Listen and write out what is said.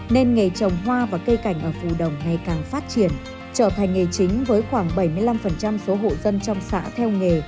nên nghề trồng hoa và cây cảnh ở phù đồng ngày càng phát triển trở thành nghề chính với khoảng bảy mươi năm số hộ dân trong xã theo nghề